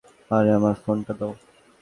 আরে, আমার ফোনটা দাও।